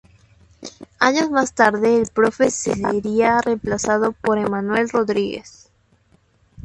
Años más tarde el "Profe" sería reemplazado por Emanuel Rodríguez.